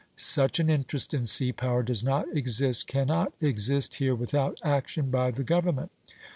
Such an interest in sea power does not exist, cannot exist here without action by the government.